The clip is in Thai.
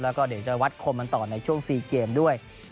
แล้วก็เดี๋ยวจะวัดคมมันต่อในช่วง๔เกมด้วย